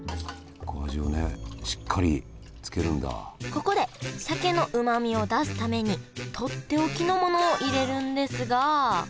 ここで鮭のうまみを出すためにとっておきのものを入れるんですが。